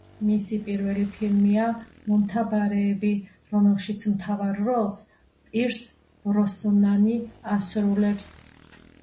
მისი პირველი ფილმია „მომთაბარეები“, რომელშიც მთავარ როლს პირს ბროსნანი ასრულებს.